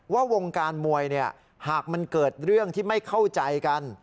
วงการมวยหากมันเกิดเรื่องที่ไม่เข้าใจกัน